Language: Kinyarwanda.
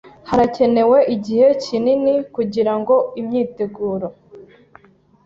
Harakenewe igihe kinini kugirango imyiteguro.